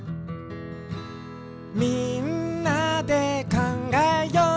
「みんなでかんがえよう」